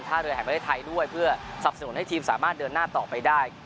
เรือแห่งประเทศไทยด้วยเพื่อสับสนุนให้ทีมสามารถเดินหน้าต่อไปได้